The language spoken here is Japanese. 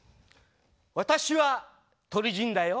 私は鳥人だよ。